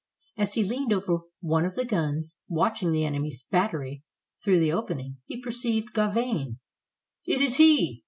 As he leaned over one of the guns, watching the enemy's battery through the opening, he perceived Gauvain. "It is he!"